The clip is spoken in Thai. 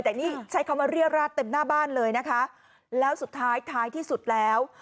แต่นี่ใช้คำว่าเรียราดเต็มหน้าบ้านเลยนะคะแล้วสุดท้ายท้ายที่สุดแล้ว